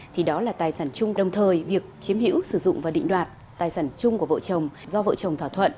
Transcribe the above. thì đó là tài sản chung đồng thời việc chiếm hữu sử dụng và định đoạt tài sản chung của vợ chồng do vợ chồng thỏa thuận